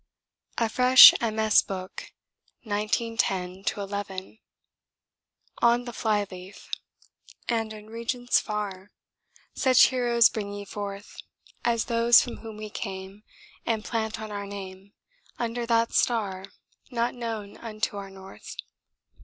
A FRESH MS. BOOK. 1910 11. [On the Flyleaf] 'And in regions far Such heroes bring ye forth As those from whom we came And plant our name Under that star Not known unto our North.'